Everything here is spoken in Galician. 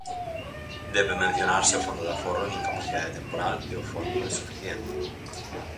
Debe mencionarse o Fondo de aforro en Incapacidade Temporal e o Fondo de Suficiencia.